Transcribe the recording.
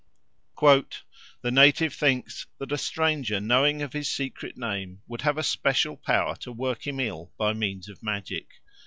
"The native thinks that a stranger knowing his secret name would have special power to work him ill by means of magic."